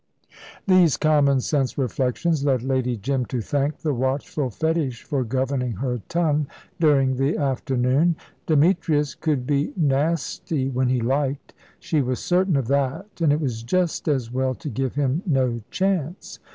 These common sense reflections led Lady Jim to thank the watchful fetish for governing her tongue during the afternoon. Demetrius could be nasty when he liked. She was certain of that, and it was just as well to give him no chance.